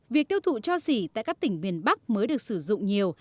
việc tiêu thụ cho xỉ tại các tỉnh miền bắc mới được sử dụng nhiều